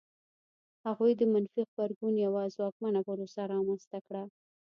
هغوی د منفي غبرګون یوه ځواکمنه پروسه رامنځته کړه.